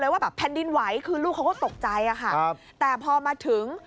ว่าแบบแผ่นดินไหวคือลูกเขาก็ตกใจอะค่ะครับแต่พอมาถึง